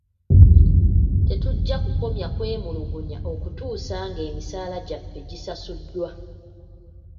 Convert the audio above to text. Tetujja kukomya kwemulugunya okutuusa ng'emisaala gyaffe gisasuddwa.